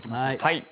はい。